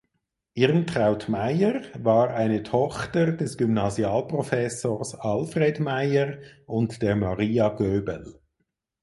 Irmtraut Mayer war eine Tochter des Gymnasialprofessors Alfred Mayer und der Maria Göbel.